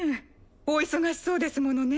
お忙しそうですものね。